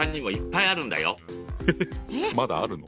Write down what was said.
まだあるの？